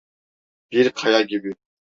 Bir kaya gibi…